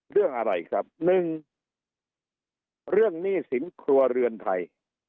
เรื่องอะไรครับหนึ่งเรื่องหนี้สินครัวเรือนไทย